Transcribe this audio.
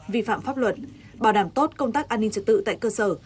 vi phạm pháp luật bảo đảm tốt công tác an ninh trật tự tại cơ sở